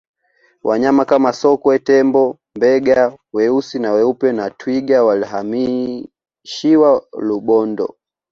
wanyama Kama sokwe tembo mbega weusi na weupe na twiga walihamishiwa rubondo